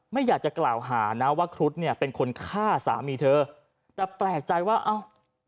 ไม่อยากจะกล่าวหานะว่าครุฑเนี่ยเป็นคนฆ่าสามีเธอแต่แปลกใจว่าเอ้า